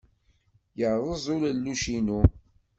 Yerreẓ ulelluc-inu.